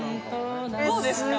どうですか？